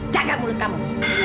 jaga mulut kamu